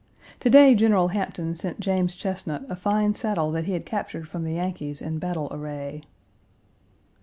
To day, General Hampton sent James Chesnut a fine saddle that he had captured from the Yankees in battle array.